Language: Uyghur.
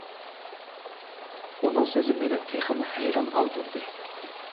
ئۇنىڭ سۆزى مېنى تېخىمۇ ھەيران قالدۇردى.